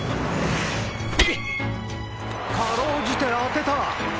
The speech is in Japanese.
かろうじて当てた！